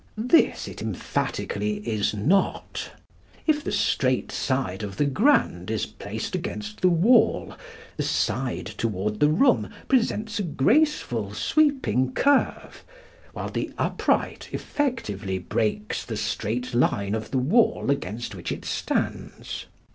This it emphatically is not. If the straight side of the grand is placed against the wall the side toward the room presents a graceful, sweeping curve, while the upright effectively breaks the straight line of the wall against which it stands.